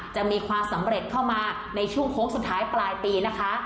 จะมีความสำเร็จเข้ามาในช่วงโค้งสุดท้ายปลายปีนะคะ